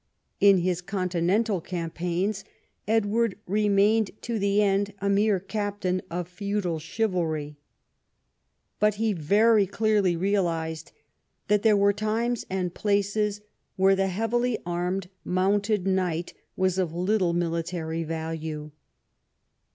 In his continental campaigns, Edward remained to the end a mere captain of feudal chivalry. But he very clearly realised that there were times and places where the heavily armed mounted knight was of little military value.